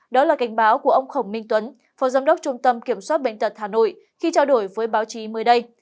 đó là cảnh báo của ông khổng minh tuấn phó giám đốc trung tâm kiểm soát bệnh tật hà nội khi trao đổi với báo chí mới đây